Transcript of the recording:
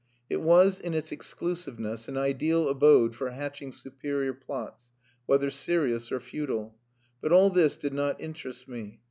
It was in its exclusiveness an ideal abode for hatching superior plots whether serious or futile. But all this did not interest me.